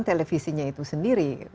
televisinya itu sendiri